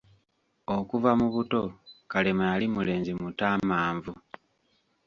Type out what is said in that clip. Okuva mu buto Kalema yali mulenzi mutaamanvu.